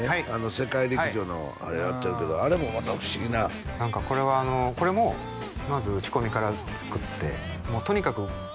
「世界陸上」のあれをやってるけどあれもまた不思議な何かこれはこれもまず打ち込みから作ってとにかく